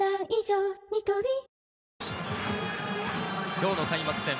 今日の開幕戦。